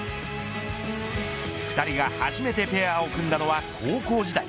２人が初めてペアを組んだのは高校時代。